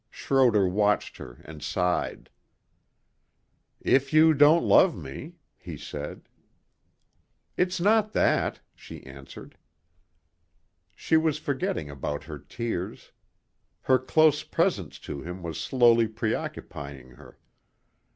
Schroder watched her and sighed. "If you don't love me," he said. "It's not that," she answered. She was forgetting about her tears. Her close presence to him was slowly preoccupying her.